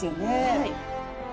はい。